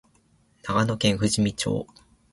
長野県富士見町